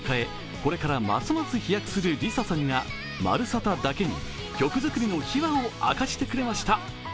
これからますます飛躍するＬｉＳＡさんが「まるサタ」だけに曲作りの秘話を明かしてくれました。